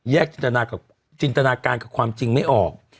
แยกจินตนาการกับความจริงไม่ออก